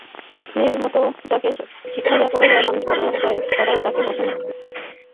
মেয়ের মতো যাকে শিখাইয়া পড়াইয়া মানুষ করা যায় তাকে বসানো চলে না প্রিয়ার আসনে?